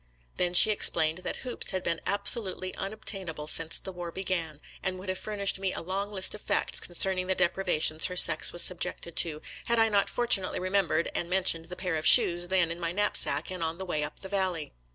Then she explained that hoops had been abso lutely unobtainable since the war began, and would have furnished me a long list of facts concerning the deprivations her sex was sub jected to, had I not fortunately remembered and mentioned the pair of shoes then in my knap sack and on the way up the Valley.